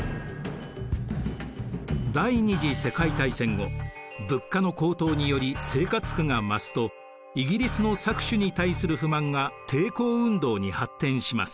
第二次世界大戦後物価の高騰により生活苦が増すとイギリスの搾取に対する不満が抵抗運動に発展します。